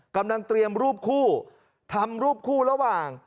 กำลังเตรียมรูปคู่ทำรูปคู่ระหว่าง